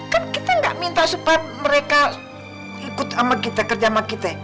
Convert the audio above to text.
kan kita nggak minta supaya mereka ikut sama kita kerja sama kita